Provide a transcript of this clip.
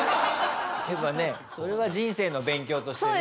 やっぱねそれは人生の勉強としてね。